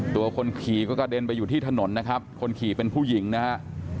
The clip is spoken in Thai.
คนขี่ก็กระเด็นไปอยู่ที่ถนนนะครับคนขี่เป็นผู้หญิงนะฮะ